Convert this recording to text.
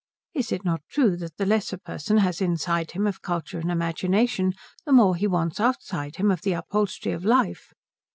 Is it not true that the less a person has inside him of culture and imagination the more he wants outside him of the upholstery of life?